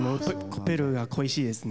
ペルーが恋しいですね。